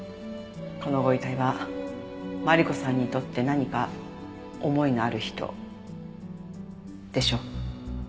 このご遺体はマリコさんにとって何か思いのある人でしょ？